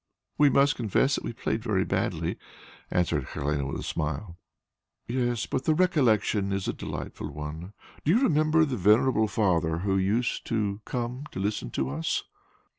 "We must confess that we played very badly," answered Helene with a smile. "Yes, but the recollection is a delightful one. Do you remember the venerable Father who used to come to listen to us?